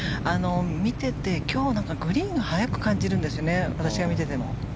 見てて、今日のはグリーンが速く感じるんです私が見てても。